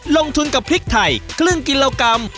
สามารถสร้างพริกไทยครึ่งกิโลกรัม